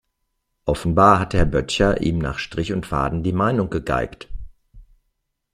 Offenbar hat Herr Böttcher ihm nach Strich und Faden die Meinung gegeigt.